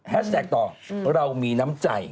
แท็กต่อเรามีน้ำใจ